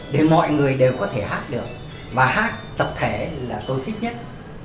để mọi người đều có thể hát được và hát tập thể là tôi thích nhất